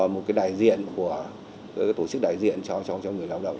một cái tổ chức đại diện cho người lao động